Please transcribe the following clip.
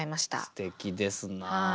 すてきですな。